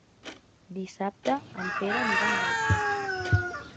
Dissabte en Pere anirà al metge.